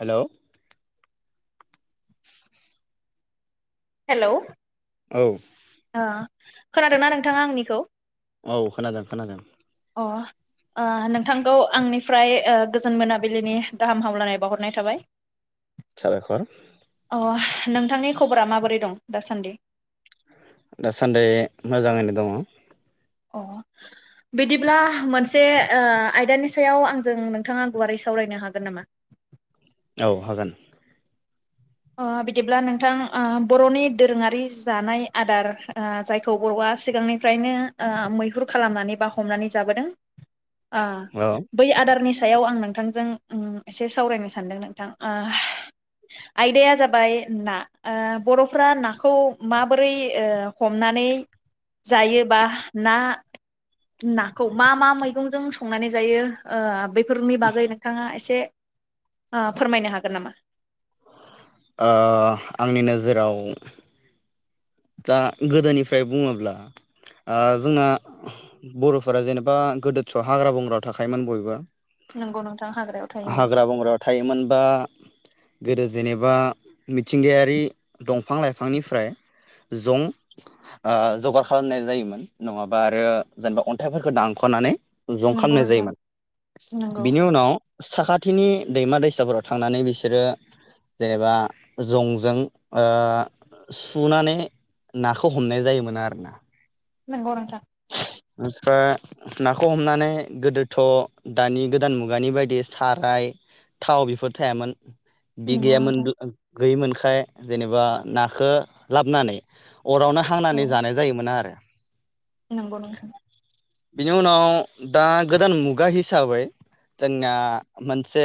Hello hello औ। ओ खोनादोंना नोंथाङा आंनिखौ? औ खोनादों खोनादों। अ ओ नोंथांखौ आंनिफ्राय गोजोन मोनाबिलिनि गाहाम हामलायनाय बावहरनाय थाबाय। साबायखर। अ नोंथांनि खबरा माबोर रै दं दासान्दि? दासान्दि मोजाङैनो दङ। अ बिदिब्ला मोनसे ओ आयदानि सायाव आंजों नोंथाङा गुवारै सावरायनो हागोन नामा? औ हागोन। ओ बिदिब्ला नोंथां ओ बर'नि दोरोङारि जानाय आदार ओ जायखौ बर'आ सिगांनिफ्रायनो ओ मैहुर खालामनानै बा हमनानै जाबोदों ओ औ ओ बै आदारनि सा सायाव आं नोंथांजों ओम एसे सावरायनो सानदों नोंथां ओ आयदाया जाबाय ना ओ बर'फ नाखौ माबोरै ओ हमनानै जायोबा ना नाखौ मा मा मैगंजों संनानै जायो ओ बै फोरनि बागै नोंथाङा एसे ओ फोरमायनो हागोन नामा? ओ आंनि नोजोराव दा गोदोनिफ्राय बुङोब्ला ओ जोंना बर'फोरा जेनेबा गोदोथ' हाग्रा बंग्रायाव थाखायोमोन बयबो नंगौ नोंथां हाग्रायाव थायोमोन हाग्रा बंग्रायाव थायोमोन बा गोदो जेनेबा मिथिंगायारि दंफां लाइफांनिफ्राय। जं ओ जगार खालामनाय जायोमोन नङाबा आरो जेनेबा अन्थाइफोरखौ दानख'नानै जं नंगौ खालामनाय नोंथां जायोमोन नंगौ बिनि उनाव। साखाथिनि दैमा दैसाफोराव थांनानै बिसोरो जेनेबा जंजों ओ सुनानै नाखौ हमनाय जायोमोन आरो ना। नोंगौ नोंथां। मानसिफ्रा नाखौ हमनानै गोदोथ' दानि गोदान मुगानि बायदि साराय थाव बेफोर थायामोन। बि नंगौ नोंथां गैयामोनब्ला गैयिमोनखाय जेनेबा नाखौ लाबोनानै अरावनो औ हांनानै जानाय जायोमोन आरो। नंगौ नोंथां बिनि उनाव दा गोदान मुगा हिसाबै जोंना मोनसे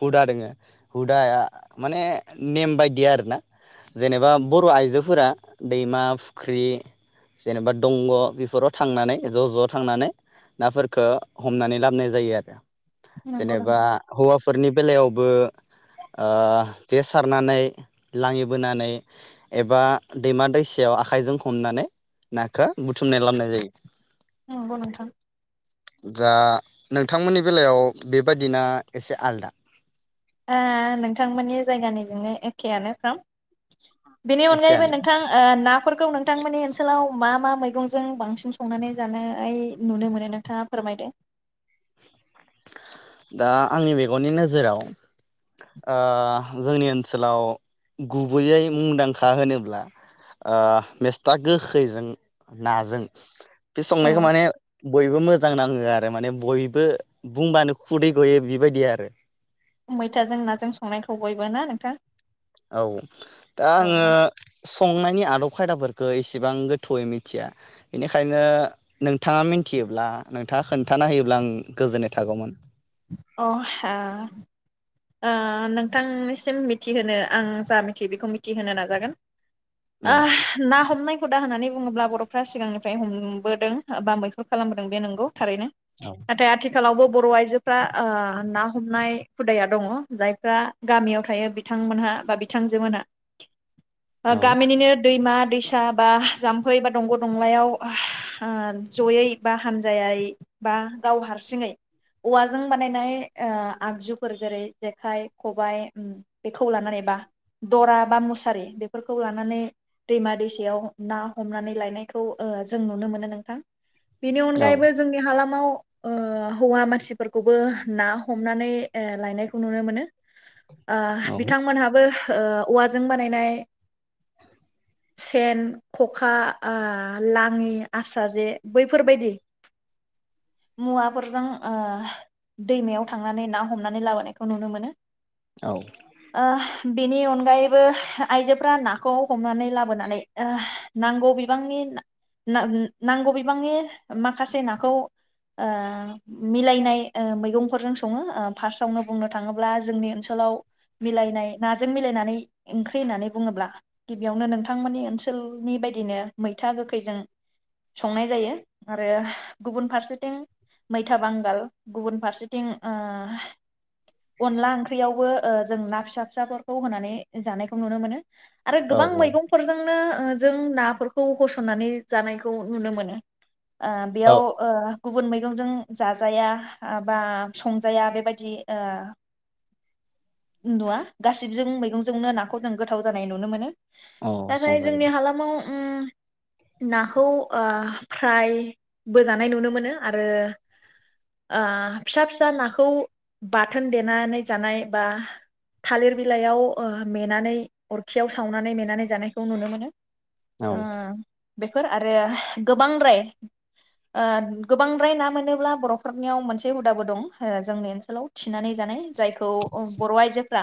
हुदा दङो हुदाया माने नेम बायदि आरोना जेनेबा बर' आइजोफोरा दैमा फुख्रि जेनेबा दंग' बेफोराव थांनानै ज' ज' थांनानै नाफोरखौ हमनानै लाबोनाय जायो आरो। नंगौ जेनेबा नोंथां हौवाफोर फोरनि बेलायावबो ओ जे सारनानै लाङिबोनानै एबा दैमा दैसायाव आखाइजों हमनानै नाखौ बुथुमना लाबनाय जायो। ‌ नंगौ नोंथां दा नोंथांमोननि बेलायाव बेबादिना एसे आलदा ओ नोंथांमोननि जायगानिजोंनो एखेआनो फ्राम बेनि अनगायैबो एखेयानो नोंथां ओ ना फोरखौ नोंथांमोननि ओनसोलाव मा मा मैगंजों बांसिन संनानै जानाय नुनो मोनो नोंथाङा फोरमायदो। दा आंनि मेगननि नोजोराव ओ जोंनि ओनसोलाव गुबैयै मुंदांखा होनोब्ला ओ मैस्था गोखैजों नाजों बे संनायखौ माने बयबो मोजां नाङो आरो माने बयबो बुंबानो खुदै गयो बेबायदि आरो। मैथाजों नाजों संनायखौ बयबो ना नोंथां? औ दा अ आङो संनायनि आदब खायदाफोरखौ इसेबां गोथौयै मिथिया बेनिखायनो नोंथाङा मिथियोब्ला नोंथाङा खोन्थाना होयोब्ला आं गोजोननाय थागौमोन। अ ओ। ओ नोंथांनिसिम मिथिहोनो आं जा मिथियो बेखौ मिथिहोनो नाजागोन। आ औ ना हमनाय हुदा होननानै बुङोब्ला बर'फ्रा सिगांनिफ्राय हमबोदों बा मैहुर खालामबोदों बे नंगौ। थारैनो औ नाथाय आथिखालाव आथिखालावबो बर' आइजोफ्रा ओ ना हमनाय हुदाया दङ जायफ्रा गामियाव थायो बिथांमोनहा बा बिथांजो मोनहा ओ औ गामिनिनो दैमा दैसा बा जाम्फै बा दंग' दंलायाव ओ जयै बा हानजायै बा गाव हारसिङै औवाजों बानायनाय आगजुफोरखौ जेरै जेखाइ खबाइ बेखौ लानानै बा दरा बा मुसारि बेफोरखौ लानानै दैमा दैसायाव ना हमनानै लायनायखौ ओ जों नुनो मोनो नोंथां। बेनि औ अनगायैबो जोंनि हालाम याव ओ हौवा मानसिफोरखौबो ना हमनानै ओ लायनायखौ नुनो मोनो। ओ औ बिथांमोनहाबो ओ औवाजों बानायनाय सेन, ख'खा, ओ लाङि आसा जे बैफोरबायदि मुवाफोरजों ओ दैमायाव थांनानै ना- हमनानै लाबोनायखौ नुनो मोनो। औ ओ बेनि अनगायैबो आइजोफ्रा नाखौ हमनानै लाबोनानै ओह नांगौ बिबांनि ना-ना-नांगौ बिबांनि माखासे नाखौ ओ मिलायनाय ओ मैगंफोरजों सङो। ओ फार्स्टआवनो बुंनो थाङोब्ला जोंनि ओनसोलाव मिलायनाय ना - जों मिलायनानै ओंख्रि होननानै बुङोब्ला गिबियावनो नोंथांमोननि ओनसोलनि बायदिनो मैथा गोखैजों संनाय जायो आरो गुबुन फारसेथिं मैथा बांगाल, गुबुन फारसेथिं ओह अनला ओंख्रियावबो ओ जों ना फिसा फिसाफोरखौ होनानै जानायखौ नुनो मोनो। आरो गोबां औ मैगंफोरजोंनो ओ जों नाफोरखौ होसननानै जानायखौ नुनो मोनो। ओ औ बेयाव ओ गुबुन मैगंजों जाजाया बा संजाया बेबायद- दि ओ नुवा गासिबजों मैगंजोंनो नाखौ जों गोथाव जानाय नुनो मोनो। औ नाथाय संजायो जोंनि हालामाव उम नाखौ ओ फ्राय बोजानाय नुनो मोनो आरो ओ फिसा फिसा नाखौ बाथोन देनानै जानाय बा थालिर बिलाइयाव ओ मेनानै अरखियाव सावनानै मेनानै जानायखौ नुनो मोनो। औ ओ बेफोर आरो गोबांद्राय ओ गोबांद्राय ना मोनोब्ला बर'फोरनियाव मोनसे हुदाबो दं जोंनि ओनसोलाव थिनानै जानाय जायखौ बर' आइजोफोरा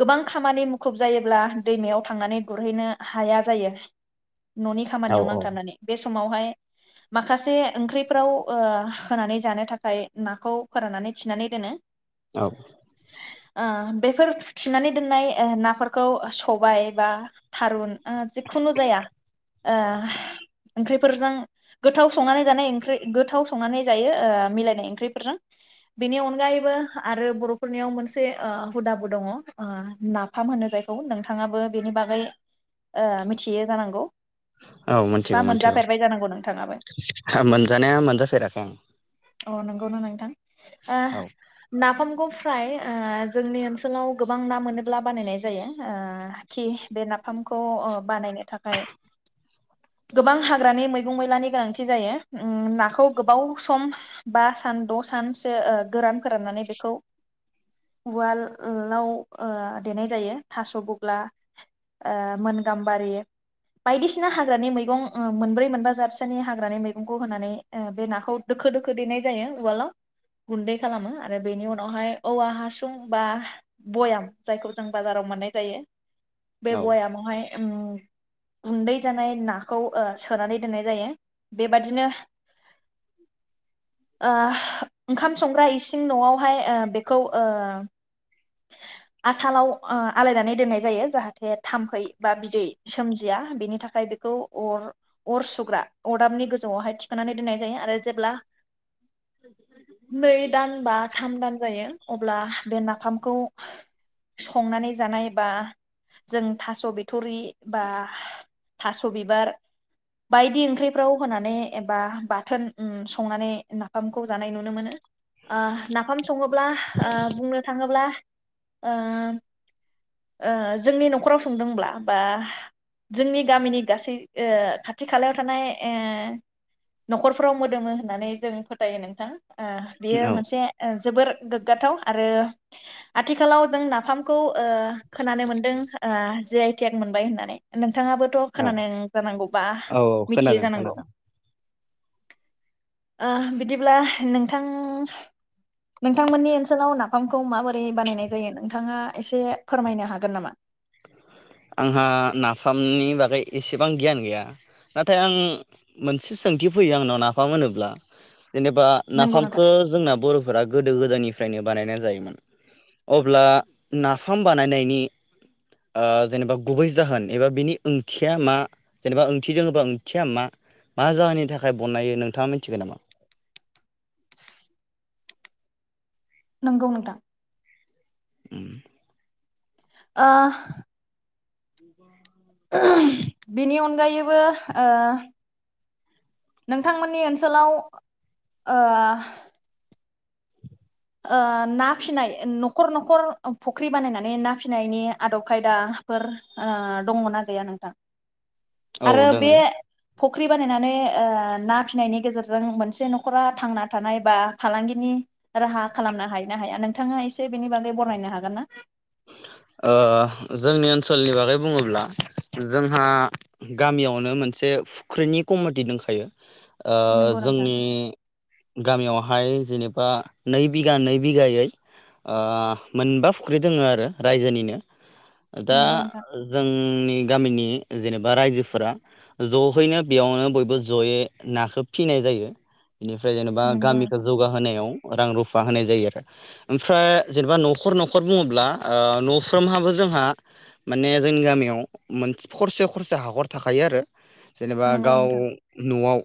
गोबां खामानि मु - मुखुब जायोब्ला दैमायाव थांनानै गुरहैनो हाया जायो। न'नि औ खामानियाव औ नांथाबनानै बे - समावहाय माखासे ओंख्रिफ्राव ओ होनानै जानो थाखाय नाखौ फोराननानै थिनानै दोनो। औ। ओ बेफोर थिनानै दोननाय ओ नाफोरखौ सबाय, बा थारुन ओ जिखुनु जाया ओह ओंख्रिफोरजों गोथाव संनानै जानाय ओंख्रै गोथाव संनानै जायो ओ मिलायना ओंख्रिफोरजों बेनि अन अनगायैबो आरो बर'फोरनियाव मोनसे ओ हुदाबो दङ ओ नाफाम होनो जायखौ नोंथाङाबो बेनि बागै ओ मिथियो जानांगौ औ बा मोनथिगौ मोनथिगौ मोनजाफेरबाय जानांगौ नोंथाङाबो मोनजानाया मोनजाफेराखै आं। अ नंगौना नोंथां। आ नाफामखौ फ्राय ओ जोंनि ओनसोलाव गोबां ना मोनोब्ला बानायनाय जायो। ओ खि बे नाफामखौ ओ बानायनो थाखाय गोबां हाग्रानि मैगं मैलानि गोनांथि जायो। ओ नाखौ गोबाव सम बा सान द' सानसो ओ गोरान फोराननानै बेखौ उवालाव ओ देनाय जायो। थास' बग्ला ओ मोन गाम्बारि बायदिसिना हाग्रानि मैगं ओ मोनब्रै मोनबा जादसोनि हाग्रानि मैगंखौ होनानै ओ बे नाखौ दोखो दोखो देनाय जायो उवालाव गुन्दै खालामो आरो बेनि उनावहाय औवा हासुं बा भयाम जायखौ जों बाजाराव मोननाय जायो बे औ औ बयामावहाय ओम गुन्दै जानाय नाखौ सोनानै दोननाय जायो बेबादिनो, [unintelligible] ओ ओंखाम, संग्रा इसिं नवावहाय बेखौ ओ आथालाव ओ आलायनानै दोननाय जायो जाहा थे थाम्फै बा बिदै सोमजि या बेनि थाखाय बेखौ अर अर सुग्रा अरदाबनि गोजौआवहाय थिखांनानै दोननाय जायो आरो जेब्ला, नै दान बा थाम दान जायो अब्ला बे नाफाम, खौ संनानै जानाय बा जों थास' बिथुरि बा थास' बिबार बायदि ओंख्रिफ्राव होनानै एबा बाथोन ओम संनानै नाफामखौ जानाय नुनो मोनो ओ नाफाम सङोब्ला ओ बुंनो थाङोब्ला, ओ ओ जोंनि न'खराव संदोंब्ला बा जोंनि गामिनि गासै ओ खाथि खालायाव थानाय ओ न'खरफोराव मोदोमो होननानै जों फोथायो नोंथां, ओ बेयो औ मोनसे ओ जोबोर गोग्ग गोग्गाथाव आरो आथिखालाव जों नाफामखौ, ओ खोनानो मोनदों ओ जे, तेक मोनबाय होननानै नोंथाङाबोथ' औ खोनानो जानांगौ बा औ मिथियो खोनादों जानांगौ, खोनादों ओ बिदिब्ला नोंथां नोंथांमोननि ओनसोलाव नाफामखौ माबो यै बानायनाय जायो नोंथाङा एसे फोरमायनो हागोन नामा? आंहा नाफामनि बागै एसेबां गियान गैया नाथाय आं मोनसे सोंथि फैयो आंनाव नाफाम होनोब्ला, जेनेबा नंगौ नोंथां। नाफामखौ जोंना बर'फोरा, गोदो गोदायनिफ्रायनो बानायनाय जायोमोन अब्ला नाफाम बानायनायनि ओ जेनेबा गुबै जाहोन एबा बिनि ओंथिया मा जेनेबा ओंथि दङोबा ओंथिया मा मा जाहोननि थाखाय बनायो नोंथाङा मिथिगोन नामा? नंगौ नोंथां, उम ओ बिनि अनगायैबो ओ नोंथांमोननि ओनसोलाव ओ ओ ना फिसिनाय न'खर न'खर फुख्रि बानायनानै ना फिसिनायनि आदब खायदाफोर ओ दङना गैया नोंथां, औ आरो बे दोङो फुख्रि बानायनानै ओ ना फिनायनि गेजेरजों मोनसे न'खरा थांना थानाय बा फालांगिनि, राहा खालामनो हायो ना हाया नोंथाङा एसे बेनि बागै बरनायनो हागोन ना? ओ जोंनि ओनसोलनि बागै बुङोब्ला जोंहा गामियावनो मोनसे फुख्रिनि कमिटि दंखायो, ओ नंगौ नोंथां जोंनि गामियावहाय जेनेबा नै बिगा नै बिघायै ओ मोनबा फुख्रि, दोङो आरो रायजोनिनो, दा नंगौ नोंथां जोंनि, जोंनि गामिनि जेनेबा रायजोफोरा जयैनो बेयावनो बयबो जयै नाखौ फिनाय जायो बेनिफ्राय जेनेबा नंगौ गामिखौ नोंथां जौगाहोनायाव रां रुफा होनाय जायो आरो ओमफ्राय जेन'बा न'खर न'खर बुङोब्ला न'फ्रोमहाबो जोंहा माने जोंनि गामियावसे खरसे खरसे हाखर थाखायो आरो जेनेबा नंगौ गाव नोंथां न'आव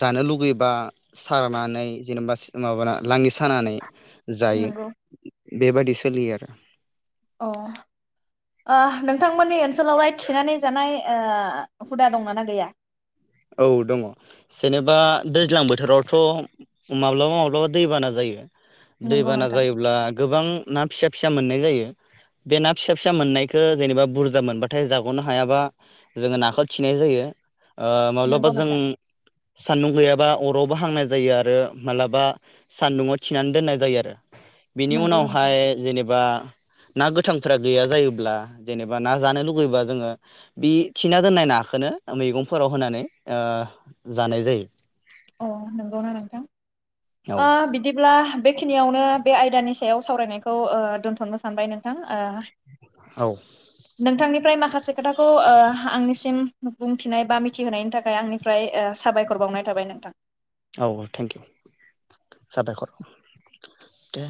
जानो लुबैबा सारनानै जेनेबा माबाना लां खानानै जायो नंगौ बेबायदि सोलियो आरो [inaudible] अ नोंथांमोननि ओनसोलावलाय थिनानै जानाय हुदा दङ ना गैया औ दङ जेनेबा दैज्लां बोथोरावथ' माब्लाबा माब्लाबा दैबाना जायो नंगौ दैबाना नोंथां जायोब्ला गोबां ना फिसा फिसा मोननाय जायो बे ना फिसा फिसा मोननायखौ जेनेबा बुरजा मोनबाथाय जाग'नो हायाबा जोङो नाखौ खिनाय जायो माब्लाबा नंगौ जों नोंथां सान्दुं गैयाबा अरावबो हांनाय जायो आरो माब्लाबा सान्दुंआव थिनानै दोननाय जायो आरो बिनि नंगौ नोंथां उनावहाय जेनेबा ना गोथांफोरा गैया जायोब्ला जेनेबा ना जानो लुगैबा जोङो बि थिना दोननाय नाखौ मैगंफोराव होनानै जानाय जायो अ नंगौना औ नोंथां बिदिब्ला बेखिनियावनो बे आयदानि सायाव सावरायनायखौ दोन्थ'नो सानबाय नोंथां औ नोंथांनिफ्राय माखासे माखासे खोथाखौ आंनिसिम बुंथिनाय बा मिथिहोनायनि थाखाय आंनिफ्राय साबायखर बावनाय थाबाय नों थां औ औ थेंकिउ साबायखर दे